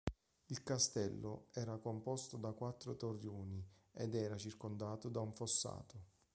Il castello era composto da quattro torrioni ed era circondato da un fossato.